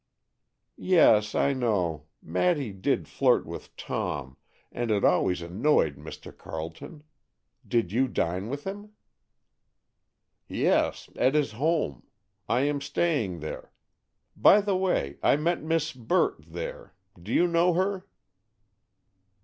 "Yes, I know. Maddy did flirt with Tom, and it always annoyed Mr. Carleton. Did you dine with him?" "Yes, at his home. I am staying there. By the way, I met Miss Burt there; do you know her?"